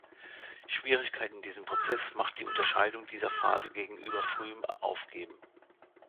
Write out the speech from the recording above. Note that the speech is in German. Schwierigkeit in diesem Prozess macht die Unterscheidung dieser Phase gegenüber frühem Aufgeben.